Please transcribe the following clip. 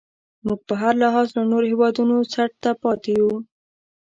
موږ په هر لحاظ له نورو هیوادونو څټ ته پاتې یو.